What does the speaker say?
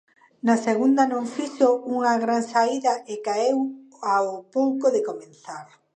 Na segunda non fixo unha gran saída e caeu ao pouco de comezar.